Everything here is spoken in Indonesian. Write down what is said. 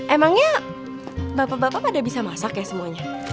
emangnya bapak bapak pada bisa masak ya semuanya